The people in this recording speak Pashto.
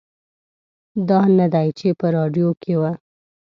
دا نه دی چې په راډیو کې و.